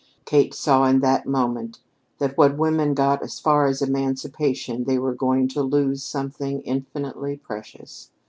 Kate saw in that moment that when women got as far as emancipation they were going to lose something infinitely precious.